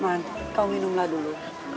man kau minumlah dulu